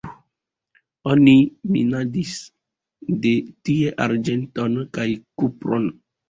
Oni minadis tie arĝenton kaj kupron.